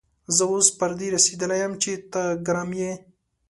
زه اوس پر دې رسېدلی يم چې ته ګرم يې.